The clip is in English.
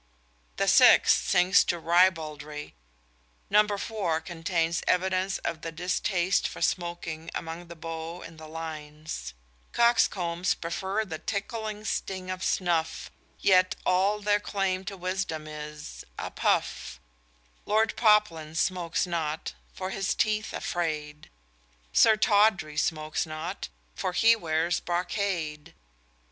_ The sixth sinks to ribaldry. Number four contains evidence of the distaste for smoking among the beaux in the lines: _Coxcombs prefer the tickling sting of snuff; Yet all their claim to wisdom is a puff; Lord Foplin smokes not for his teeth afraid: Sir Tawdry smokes not for he wears brocade.